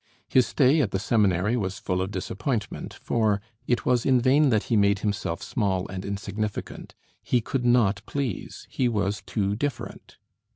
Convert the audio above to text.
His stay at the Seminary was full of disappointment, for "it was in vain that he made himself small and insignificant, he could not please: he was too different."